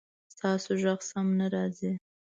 ستاسو غږ سم نه راځي